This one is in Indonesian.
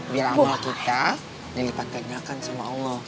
biar amal kita dilipat penyakan sama allah